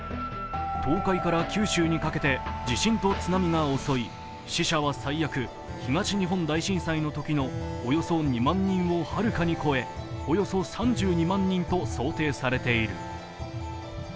東海から九州にかけて地震と津波が襲い東日本大震災のときのおよそ２万人をはるかに超え、およそ３２万人と想定されている。